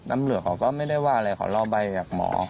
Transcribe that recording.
น้ำเหลือเขาก็ไม่ได้ว่าอะไรเขาลอใบกับหมอ